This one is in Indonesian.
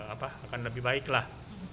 apa akan lebih baik lah